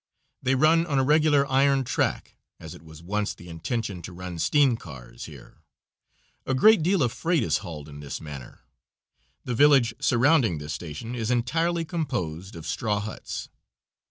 They run on a regular iron track, as it was once the intention to run steam cars here. A great deal of freight is hauled in this manner. The village surrounding this station is entirely composed of straw huts.